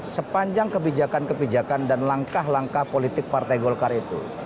sepanjang kebijakan kebijakan dan langkah langkah politik partai golkar itu